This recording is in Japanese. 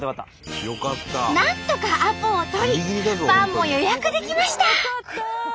なんとかアポを取りパンも予約できました！